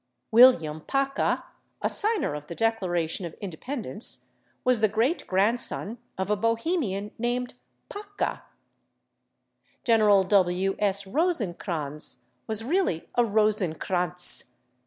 William /Paca/, a signer of the Declaration of Independence, was the great grandson of a Bohemian named /Paka/. General W. S. /Rosecrans/ was really a /Rosenkrantz